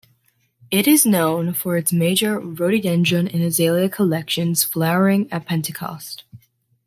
It is known for its major rhododendron and azalea collections flowering at Pentecost.